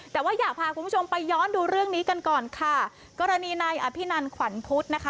แต่ว่าอยากพาคุณผู้ชมไปย้อนดูเรื่องนี้กันก่อนค่ะกรณีนายอภินันขวัญพุทธนะคะ